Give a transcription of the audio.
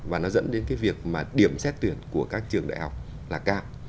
và nó dẫn đến cái việc mà điểm xét tuyển của các trường đại học là cao